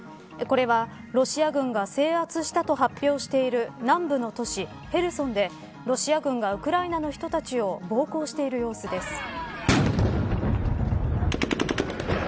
これはロシア軍が制圧したと発表している南部の都市ヘルソンでロシア軍がウクライナの人たちを暴行している様子です。